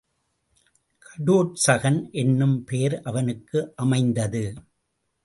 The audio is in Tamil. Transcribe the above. கடோற்சகன் என்னும் பெயர் அவனுக்கு அமைந்தது.